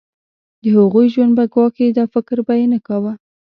د هغوی ژوند به ګواښي دا فکر به یې نه کاوه.